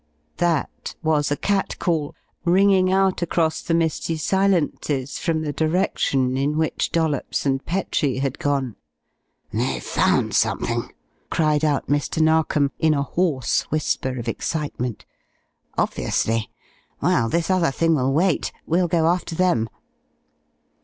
"That" was a cat call ringing out across the misty silences from the direction in which Dollops and Petrie had gone. "They've found something!" cried out Mr. Narkom, in a hoarse whisper of excitement. "Obviously. Well, this other thing will wait. We'll go after them."